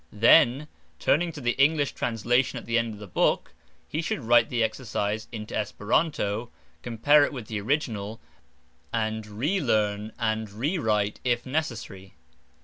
Then turning to the English translation at the end of the book, he should write the exercise into Esperanto, compare it with the original, and re learn and re write if necessary.